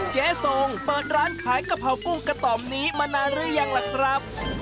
เจ๊ทรงเปิดร้านขายกะเพรากุ้งกระต่อมนี้มานานหรือยังล่ะครับ